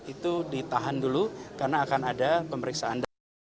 itu ditahan dulu karena akan ada pemeriksaan